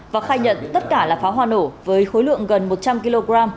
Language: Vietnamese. và khai nhận tất cả là pháo hoa nổ với khối lượng gần một trăm linh kg